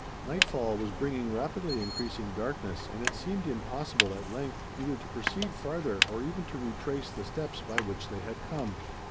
Nightfall was bringing rapidly increasing darkness, and it seemed impossible, at length, either to proceed farther or even to retrace the steps by which they had come.